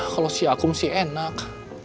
kalau si aku si enak